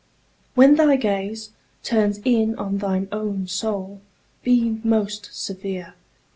When thy gaze Turns in on thine own soul, be most severe.